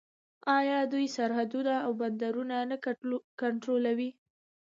آیا دوی سرحدونه او بندرونه نه کنټرولوي؟